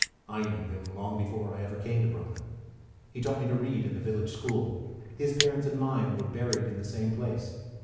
I knew him long before I ever came to Brooklyn. He taught me to read in the village school. His parents and mine were buried in the same place.